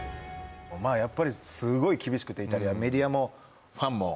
やっぱりすごい厳しくてイタリア、メディアもファンも。